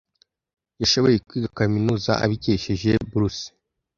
Yashoboye kwiga kaminuza abikesheje buruse.